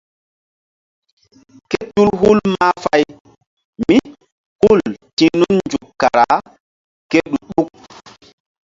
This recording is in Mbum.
Ké tul hul mahfay mí hul ti̧h nun nzuk kara ke ɗu-ɗuk.